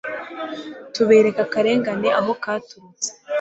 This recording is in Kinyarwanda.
tubereke akarengane aho katurutse